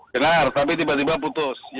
benar tapi tiba tiba putus